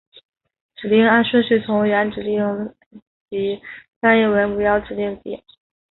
指令按顺序从原指令集翻译为目标指令集。